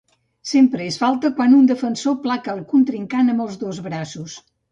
Sempre és falta quan un defensor placa al contrincant amb els dos braços.